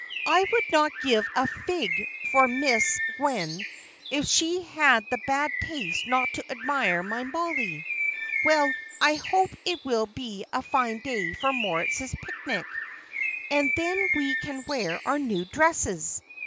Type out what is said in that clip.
"I would not give a fig for Mrs. Gwen if she had the bad taste not to admire my Mollie. Well, I hope it will be a fine day for Moritz's picnic, and then we can wear our new dresses.